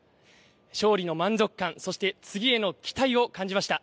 勝利の満足感、そして次への期待を感じました。